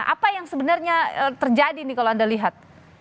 apa yang sebenarnya terjadi nih kalau anda lihat